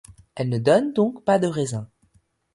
Elles ne donnent donc pas de raisin.